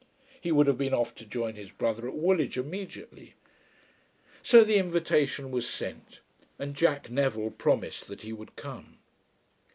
He would have been off to join his brother at Woolwich immediately. So the invitation was sent, and Jack Neville promised that he would come.